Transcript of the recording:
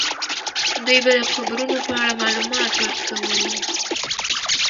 دوی به د قبرونو په اړه معلومات ورکولې.